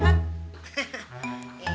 ya kita ngerti